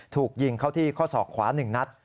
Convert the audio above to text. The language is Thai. ถูกยิงเข้าที่ข้อศอกขวา๑นัด